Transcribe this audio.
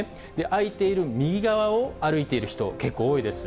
空いている右側を歩いている人、結構多いです。